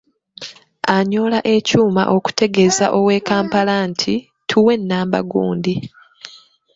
Anyoola ekyuma okutegeeza ow'e Kampala nti: Tuwe Namba gundi.